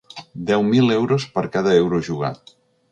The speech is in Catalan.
Deu mil euros per cada euro jugat.